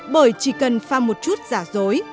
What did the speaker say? bởi chỉ cần pha một chút giả dối